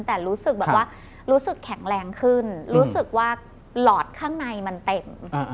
แต่รู้สึกแบบว่ารู้สึกแข็งแรงขึ้นรู้สึกว่าหลอดข้างในมันเต็ม